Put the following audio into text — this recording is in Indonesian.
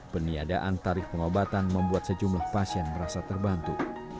peniadaan tarif pengobatan membuat sejumlah pasien merasa terbantu